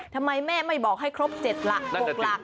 ทำไมแม่ไม่บอกให้ครบ๗ล่ะบอกล่ะ